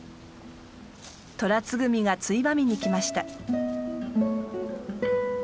トラツグミがついばみに来ました。